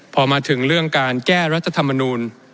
พอมาถึงเรื่องการแก้รัฐธรรมนูล